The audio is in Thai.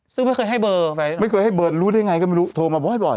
ซึ่งไม่เคยให้เบอร์ไม่เคยให้เบอร์รู้ได้ไงก็ไม่รู้โทรมาบ่อย